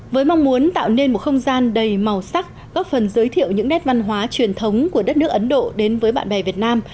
với mong muốn tạo nên một không gian đầy màu sắc góp phần giới thiệu những nét văn hóa truyền thống của đất nước ấn độ đến với bạn bè việt nam